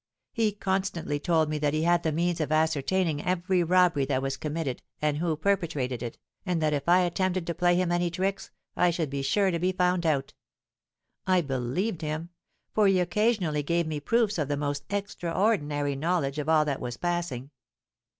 He constantly told me that he had the means of ascertaining every robbery that was committed, and who perpetrated it, and that if I attempted to play him any tricks, I should be sure to be found out. I believed him—for he occasionally gave me proofs of the most extraordinary knowledge of all that was passing.